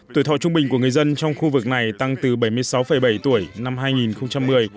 tuổi thọ trung bình của người dân trong khu vực này tăng từ bảy mươi sáu bảy tuổi năm hai nghìn một mươi